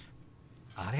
あれ？